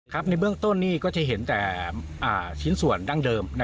ในเบื้องต้นนี่ก็จะเห็นแต่ชิ้นส่วนดั้งเดิม